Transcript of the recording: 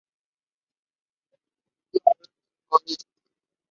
Asistió al Berklee College of Music.